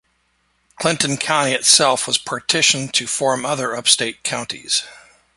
Clinton County itself was partitioned to form other upstate counties.